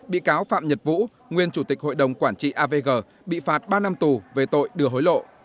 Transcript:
bị cáo phạm nhật vũ nguyên chủ tịch hội đồng quản trị avg bị phạt ba năm tù về tội đưa hối lộ